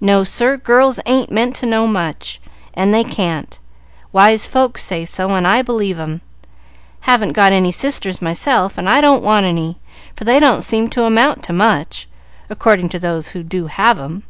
No, sir; girls ain't meant to know much, and they can't. Wise folks say so and I believe 'em. Haven't got any sisters myself, and I don't want any, for they don't seem to amount to much, according to those who do have 'em."